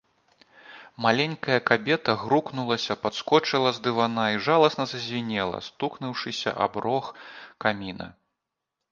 Маленькая кабета грукнулася, падскочыла з дывана і жаласна зазвінела, стукнуўшыся аб рог каміна.